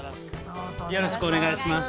◆よろしくお願いします。